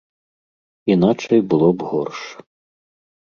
Іначай было б горш.